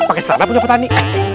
pake celana punya petani